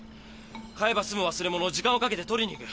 買えば済む忘れ物を時間をかけて取りに行く。